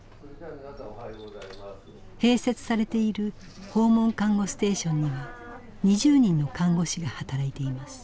併設されている訪問看護ステーションには２０人の看護師が働いています。